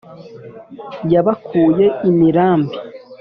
Yabakuye imirambi